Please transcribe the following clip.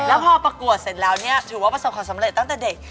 แล้วพอประกวดเสร็จแล้วเนี่ยถือว่าประสบความสำเร็จตั้งแต่เด็ก